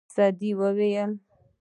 سعدي وایي.